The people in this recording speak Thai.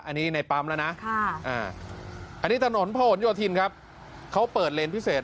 อันนี้ในปั๊มแล้วนะอันนี้ถนนพระหลโยธินครับเขาเปิดเลนพิเศษ